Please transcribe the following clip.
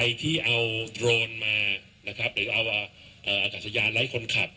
ที่เอาโดรนมานะครับหรือเอาอากาศยานไร้คนขับ